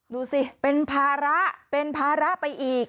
ดูสิเป็นภาระเป็นภาระไปอีก